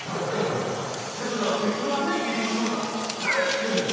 お前じゃちょっと別の方に聞いてみましょうか何聞くんだよ？